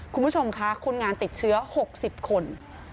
คุณผู้ชมค่ะคนงานติดเชื้อ๖๐คน